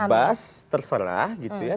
bebas terserah gitu ya